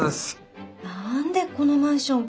何でこのマンション